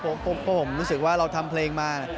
เพราะผมรู้สึกว่าเราทำเพลงมา